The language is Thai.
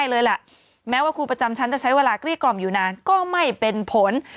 เลยแหละแม้ว่าครูประจำชั้นจะใช้เวลาเกลี้กล่อมอยู่นานก็ไม่เป็นผล